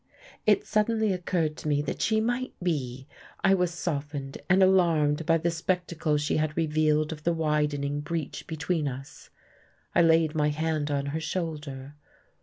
It suddenly occurred to me that she might be. I was softened, and alarmed by the spectacle she had revealed of the widening breach between us. I laid my hand on her shoulder.